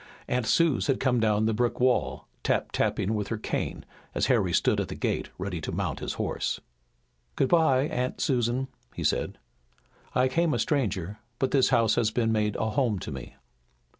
Aunt Suse had come down the brick walk, tap tapping with her cane, as Harry stood at the gate ready to mount his horse. "Good bye, Aunt Susan," he said. "I came a stranger, but this house has been made a home to me."